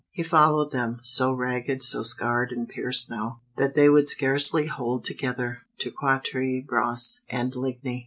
He followed them so ragged, so scarred and pierced now, that they would scarcely hold together to Quatre Bras and Ligny.